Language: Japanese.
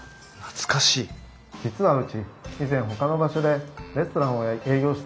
実はうち以前ほかの場所でレストランを営業していたんです。